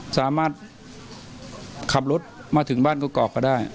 สามารถขับรถมาถึงบ้านกรอกก็ได้